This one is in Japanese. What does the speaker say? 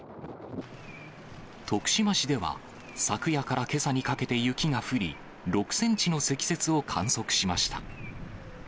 徳島市では、昨夜からけさにかけて雪が降り、６センチの積雪を観測しました。